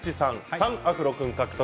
３アフロ君、獲得。